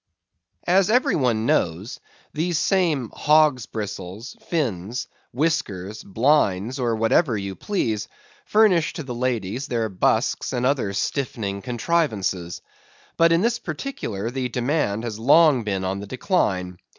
As every one knows, these same "hogs' bristles," "fins," "whiskers," "blinds," or whatever you please, furnish to the ladies their busks and other stiffening contrivances. But in this particular, the demand has long been on the decline.